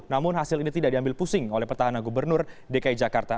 namun hasil ini tidak diambil pusing oleh petahana gubernur dki jakarta